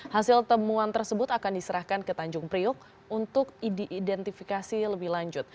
hasil temuan tersebut akan diserahkan ke tanjung priuk untuk diidentifikasi lebih lanjut